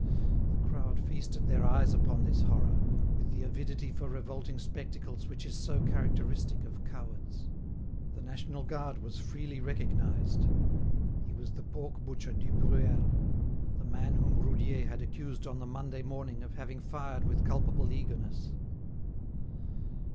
The crowd feasted their eyes upon this horror, with the avidity for revolting spectacles which is so characteristic of cowards. The national guard was freely recognised; he was the pork butcher Dubruel, the man whom Roudier had accused on the Monday morning of having fired with culpable eagerness.